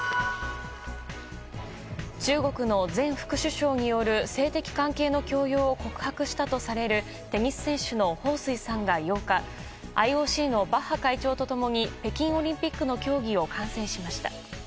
中国の前副首相による性的関係の強要を告白したとされる、テニス選手の彭帥さんが８日、ＩＯＣのバッハ会長と共に、北京オリンピックの競技を観戦しました。